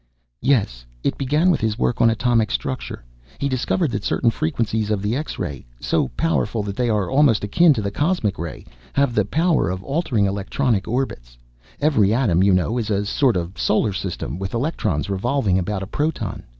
"Yes. It began with his work on atomic structure. He discovered that certain frequencies of the X ray so powerful that they are almost akin to the cosmic ray have the power of altering electronic orbits. Every atom, you know, is a sort of solar system, with electrons revolving about a proton.